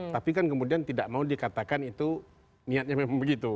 tapi kan kemudian tidak mau dikatakan itu niatnya memang begitu